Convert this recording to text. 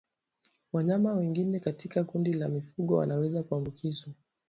Wanyama wengi katika kundi la mifugo wanaweza kuambukizwa